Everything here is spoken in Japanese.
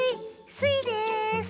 スイです！